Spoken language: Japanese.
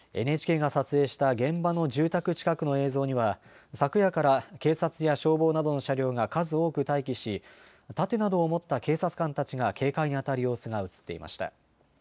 ＮＨＫが撮影した現場の住宅近くの映像には、昨夜から警察や消防などの車両が数多く待機し、盾などを持った警察官たちが警戒に当たる様子が写っていました。